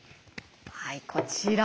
はいこちら。